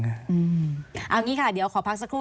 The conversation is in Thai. เอาอย่างนี้ค่ะเดี๋ยวขอพักสักครู่